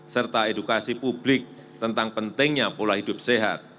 serta edukasi publik tentang pentingnya pola hidup sehat